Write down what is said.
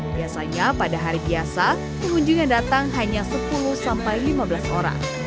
biasanya pada hari biasa pengunjung yang datang hanya sepuluh sampai lima belas orang